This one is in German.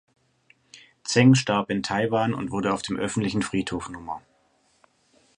Zeng starb in Taiwan und wurde auf dem öffentlichen Friedhof Nr.